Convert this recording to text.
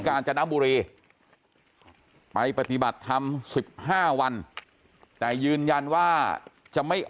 กาลจันทร์บุรีไปปฏิบัติธรรมสิบห้าวันแต่ยืนยันว่าจะไม่